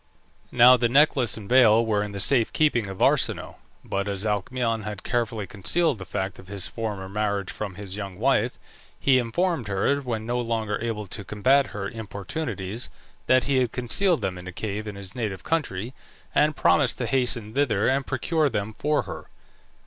Now the necklace and veil were in the safe keeping of Arsinoe; but as Alcmaeon had carefully concealed the fact of his former marriage from his young wife, he informed her, when no longer able to combat her importunities, that he had concealed them in a cave in his native country, and promised to hasten thither and procure them for her.